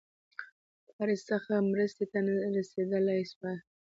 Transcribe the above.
پاریس څخه مرستي ته نه رسېدلای سوای.